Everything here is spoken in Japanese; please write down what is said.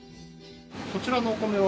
そちらのお米は？